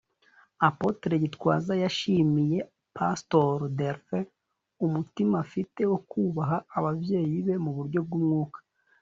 Apotre Gitwaza yashimiye Pastor Delphin umutima afite wo kubaha ababyeyi be mu buryo bw'umwuka